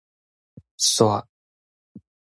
徙